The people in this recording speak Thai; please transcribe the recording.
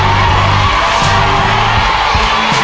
วาง